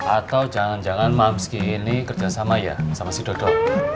atau jangan jangan mamski ini kerjasama ya sama si dodo